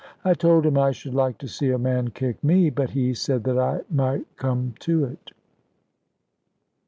I told him I should like to see a man kick me! But he said that I might come to it.